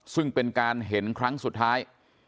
ซึ่งเป็นการเห็นครั้งสุดท้าย